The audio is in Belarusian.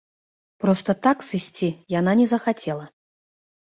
Проста так сысці яна не захацела.